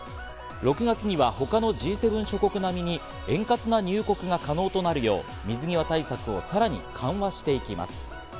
６月には他のＧ７諸国並みに円滑な入国が可能となるよう水際対策をさらに緩和していきます。